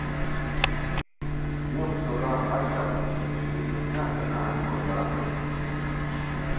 نیوف سوران ہݰ چقہ کوری چھنیکو تھے ہسے نہنگ مردار ہوئے